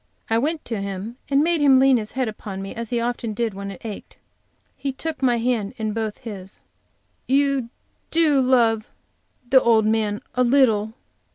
I went to him and made him lean his head upon me as he often did when it ached. He took my hand in both his. "You do love the old man a little?"